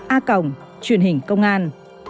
a cồng truyền hình công an